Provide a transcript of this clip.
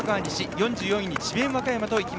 ４４位に智弁和歌山。